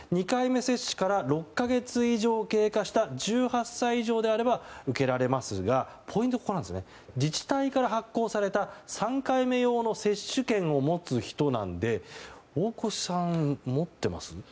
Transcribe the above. ２回目接種から６か月以上経過した１８歳以上であれば受けられますが、ポイントは自治体から発行された３回目用の接種券を持つ人なんで大越さん、持ってます？